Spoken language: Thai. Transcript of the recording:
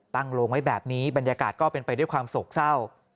โรงไว้แบบนี้บรรยากาศก็เป็นไปด้วยความโศกเศร้า